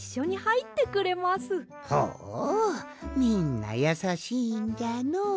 ほみんなやさしいんじゃのう。